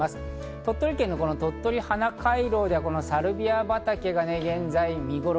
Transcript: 鳥取県のとっとり花回廊ではサルビア畑が現在見ごろ。